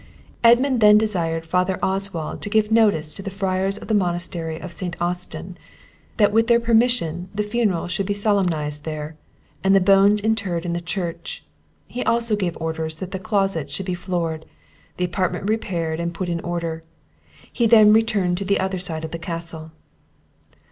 Edmund then desired father Oswald to give notice to the friars of the monastery of St. Austin, that with their permission the funeral should be solemnized there, and the bones interred in the church. He also gave orders that the closet should be floored, the apartment repaired and put in order. He then returned to the other side of the Castle.